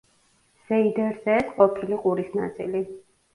ზეიდერზეეს ყოფილი ყურის ნაწილი.